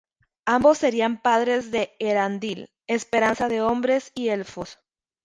Ambos serían padres de Eärendil, esperanza de Hombres y Elfos.